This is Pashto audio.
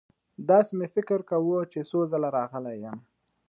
داسې مې فکر کاوه چې څو ځله راغلی یم.